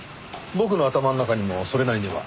僕の頭の中にもそれなりには。